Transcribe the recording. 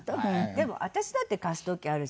でも私だって貸す時あるじゃない。